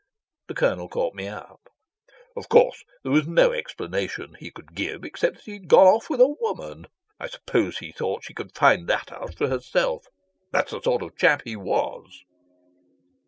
The Colonel caught me up. "Of course, there was no explanation he could give except that he'd gone off with a woman. I suppose he thought she could find that out for herself. That's the sort of chap he was."